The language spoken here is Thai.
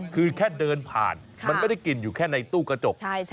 คือแค่เดินผ่านมันไม่ได้กลิ่นอยู่แค่ในตู้กระจก